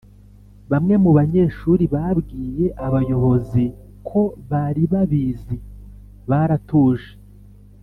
Bamwe mu banyeshuri babwiye abayoboziko baribabizi baratuje